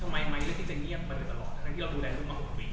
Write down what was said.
ทั้งนั้นที่เราดูแลลูกมากกว่านี้